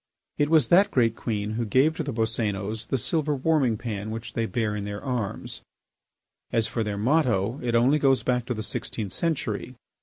It was that great queen who gave to the Boscénos the silver warming pan which they bear in their arms. As for their motto, it only goes back to the sixteenth century.